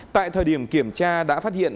tại thời điểm kiểm tra đã phát hiện